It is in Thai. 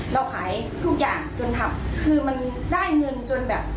เราขายทุกอย่างจนทำคือมันได้เงินจนแบบ